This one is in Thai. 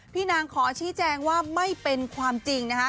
พี่นางขอชี้แจงว่าไม่เป็นความจริงนะคะ